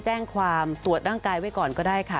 แจ้งความตรวจร่างกายไว้ก่อนก็ได้ค่ะ